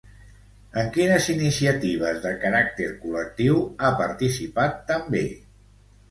En quines iniciatives de caràcter col·lectiu ha participat també?